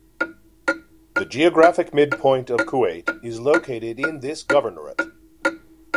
The geographic midpoint of Kuwait is located in this governorate.